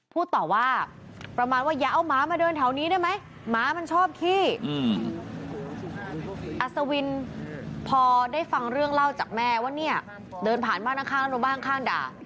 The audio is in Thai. พอได้ฟังเรื่องเล่าจากแม่ว่าเนี่ยเดินผ่านบ้านข้างแล้วบ้านข้างด่า